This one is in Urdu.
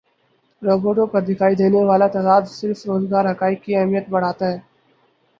رپورٹوں میں دکھائی دینے والا تضاد صرف روزگار حقائق کی اہمیت بڑھاتا ہے